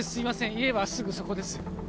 家はすぐそこです